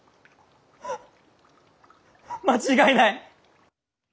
間違いない！